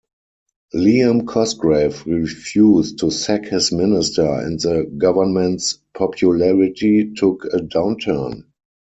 Liam Cosgrave refused to sack his Minister and the government's popularity took a downturn.